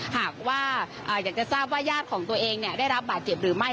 หากว่าอยากจะทราบว่าญาติของตัวเองได้รับบาดเจ็บหรือไม่